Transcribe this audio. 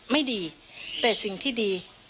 ไม่ดีแต่สิ่งที่ดี